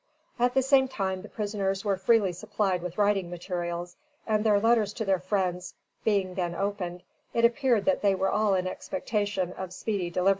"_ At the same time the prisoners were freely supplied with writing materials, and their letters to their friends being then opened, it appeared that they were all in expectation of speedy deliverance.